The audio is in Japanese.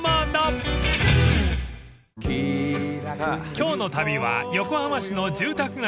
［今日の旅は横浜市の住宅街から］